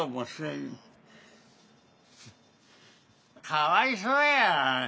かわいそうやわ。